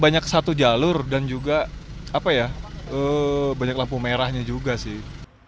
banyak satu jalur dan juga apa ya banyak lampu merahnya juga sih